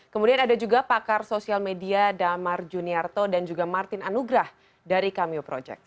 kemudian ada juga pakar sosial media damar juniarto dan juga martin anugrah dari cameo project